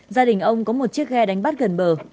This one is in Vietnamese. gia đình ông có một chiếc ghe đánh bắt gần bờ